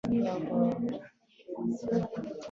د څلور واړو کسبونو خاوندان بېوزله دي.